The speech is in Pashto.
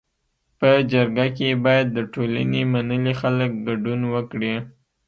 په جرګه کي باید د ټولني منلي خلک ګډون وکړي.